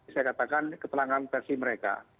saya katakan keterangan versi mereka